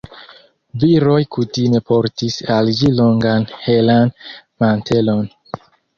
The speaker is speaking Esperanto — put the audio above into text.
Viroj kutime portis al ĝi longan helan mantelon.